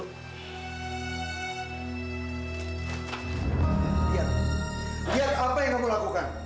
lihat lihat apa yang aku lakukan